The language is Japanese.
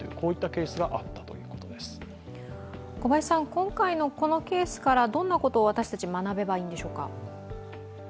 今回のこのケースからどんなことを私たちは学べばいいんでしょうか？